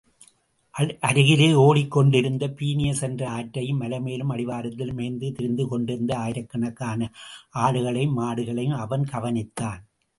அருகிலே ஓடிக்கொண்டிருந்த பீனியஸ் என்ற ஆற்றையும், மலைமேலும் அடிவாரத்திலும் மேய்ந்து திரிந்துகொண்டிருந்த ஆயிரக்கணக்கான ஆடுகளையும் மாடுகளையும் அவன் கவனித்தான்.